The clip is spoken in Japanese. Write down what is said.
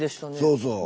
そうそう。